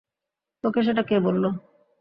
তোকে সেটা কে বললো?